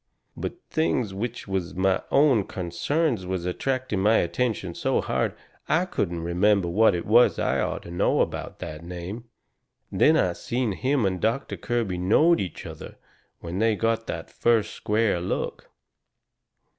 But things which was my own consarns was attracting my attention so hard I couldn't remember what it was I orter know about that name. Then I seen him and Doctor Kirby knowed each other when they got that first square look.